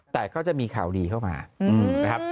แต่ก็จะมีข่าวดีเข้ามานะครับ